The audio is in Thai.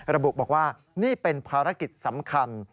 ระบุบอกว่านี่เป็นภารกิจสำคัญ